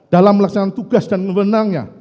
dalam melaksanakan tugas dan wewenangnya